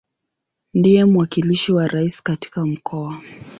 Ndiye mwakilishi wa Rais katika Mkoa.